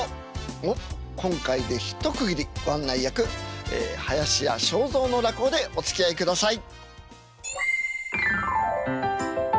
おっ今回で一区切りご案内役林家正蔵の落語でおつきあいください。